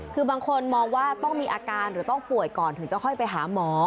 คือบางคนมองว่าต้องมีอาการหรือต้องป่วยก่อนถึงจะค่อยไปหาหมอ